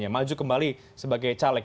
maju kembali sebagai caleg